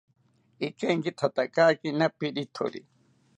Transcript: Ikenkithatakakina pirithori